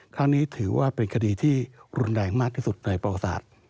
ครั้งนี้ถือว่าเป็นคดีที่รุนแรงมากที่สุดในประวัติศาสตร์